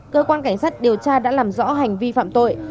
cơ quan cảnh sát điều tra đã làm rõ hành vi phạm tội